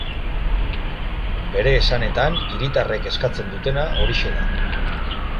Bere esanetan hiritarrek eskatzen dutena horixe da.